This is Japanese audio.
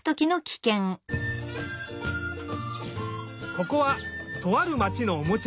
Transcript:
ここはとあるまちのおもちゃやさん。